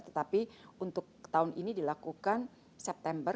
tetapi untuk tahun ini dilakukan september